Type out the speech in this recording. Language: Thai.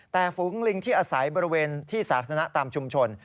แต่ฝูงลิงที่อาศัยบริเวณที่สาธารณะตามชุมชน